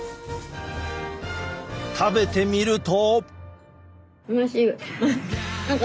食べてみると。